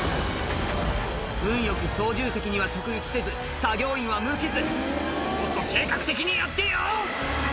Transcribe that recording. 運よく操縦席には直撃せず作業員は無傷もっと計画的にやってよ！